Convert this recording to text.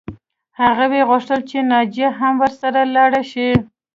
هغې غوښتل چې ناجیه هم ورسره لاړه شي